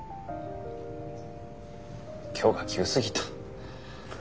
今日が急すぎた。